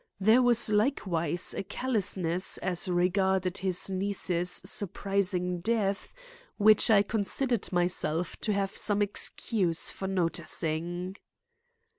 There was likewise a callousness as regarded his niece's surprising death which I considered myself to have some excuse for noticing.